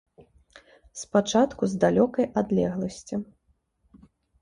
Спачатку з далёкай адлегласці.